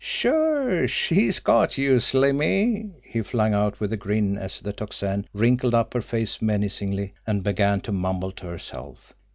"Sure! She's 'got' youse, Slimmy!" he flung out, with a grin, as the Tocsin wrinkled up her face menacingly and began to mumble to herself.